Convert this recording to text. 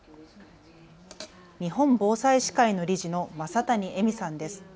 日本防災士会の理事の正谷絵美さん。